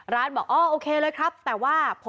ร้านบอกอ๋อโอเคเลยครับแต่ว่า